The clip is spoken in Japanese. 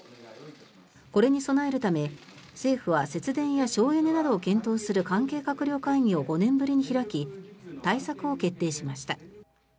これに備えるため、政府は節電や省エネなどを検討する関係閣僚会議を５年ぶりに開き対策を決定しました。